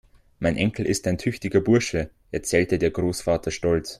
Mein Enkel ist ein tüchtiger Bursche, erzählte der Großvater stolz.